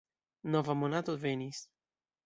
Nova monato venis.